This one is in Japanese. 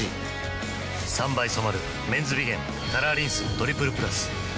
３倍染まる「メンズビゲンカラーリンストリプルプラス」